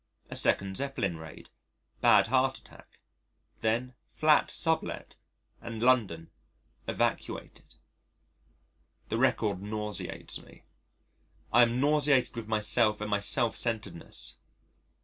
A second Zeppelin raid. Bad heart attack. Then flat sub let and London evacuated. The record nauseates me. I am nauseated with myself and my self centredness....